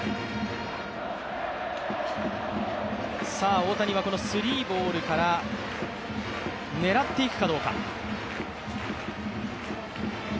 大谷はこのスリーボールから狙っていくかどうか。